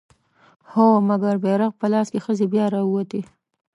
هو! مګر بيرغ په لاس که ښځې بيا راووتې